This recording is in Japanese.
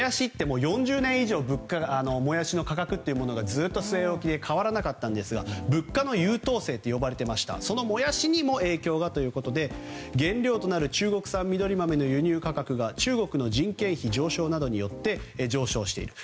４０年以上、モヤシの価格はずっと据え置きで変わらなかったんですが物価の優等生と呼ばれていましたモヤシにも影響がということで原料となる中国産緑豆の輸入価格が中国の人件費上昇などによって上昇している。